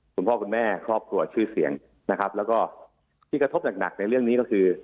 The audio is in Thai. คุณพ่อคุณแม่ครอบครัวชื่อเสียงนะครับแล้วก็ที่กระทบหนักในเรื่องนี้ก็คือ